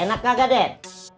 enak kagak deh